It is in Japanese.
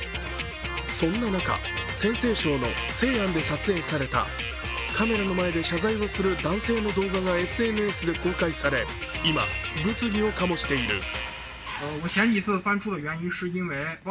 そんな中、陜西省の西安で撮影されたカメラの前で謝罪をする男性の動画がＳＮＳで公開され、今、物議を醸している。